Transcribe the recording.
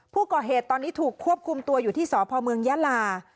ผู้ก่อเหตุตอนนี้ถูกควบคุมตัวอยู่ที่สพเมืองยาลา